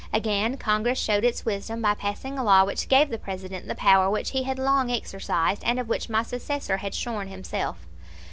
Again Congress showed its wisdom by passing a law which gave the President the power which he had long exercised, and of which my successor had shorn himself.